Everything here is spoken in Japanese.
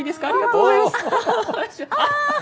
ありがとうございます。